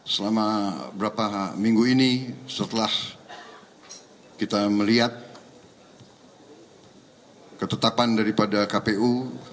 selama berapa minggu ini setelah kita melihat ketetapan daripada kpu